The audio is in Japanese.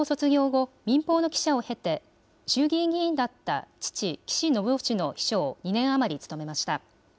大学を卒業後、民放の記者を経て、衆議院議員だった父、岸信夫氏の秘書を２年余り務めました。